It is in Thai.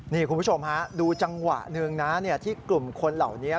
นี่คุณผู้ชมฮะดูจังหวะหนึ่งนะที่กลุ่มคนเหล่านี้